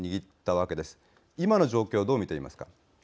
いまの状況をどう見ていますか。